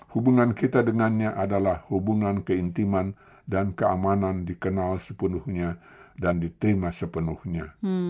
hubungan kita dengannya adalah hubungan keintiman dan keamanan dikenal sepenuhnya dan diterima sepenuhnya